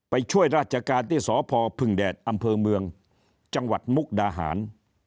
ไปช่วยราชการที่สพพึ่งแดดอำเภอเมืองจังหวัดมุกดาหาร